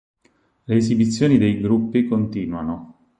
Le esibizioni dei gruppi continuano.